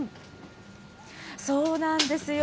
そうなんですよ。